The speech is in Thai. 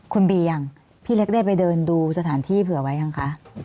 คุณเบียยังพี่เล็กได้ไปเดินดูสถานที่เผื่อไว้ยังคะ